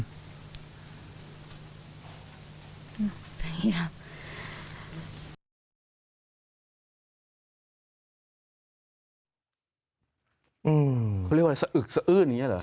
เขาเรียกว่าอะไรสะอึกสะอื้นอย่างนี้เหรอ